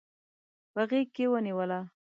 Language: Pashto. په غیږ کې ونیوله